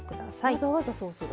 わざわざそうする？